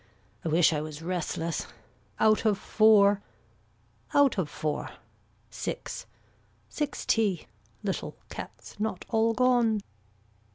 I wish I was restless. Out of four. Out of four. Six. Sixty. Little cats not all gone.